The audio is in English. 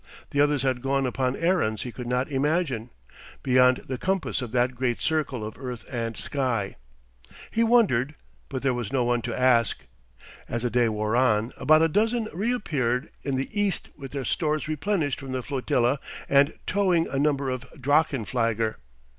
The others had gone upon errands he could not imagine, beyond the compass of that great circle of earth and sky. He wondered, but there was no one to ask. As the day wore on, about a dozen reappeared in the east with their stores replenished from the flotilla and towing a number of drachenflieger.